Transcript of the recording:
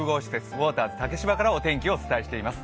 ウォーターズ竹芝からお天気をお伝えしています。